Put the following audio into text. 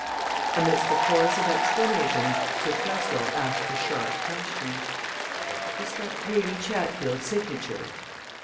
Amidst a chorus of exclamations Sir Cresswell asked a sharp question. "Is that really Chatfield's signature?"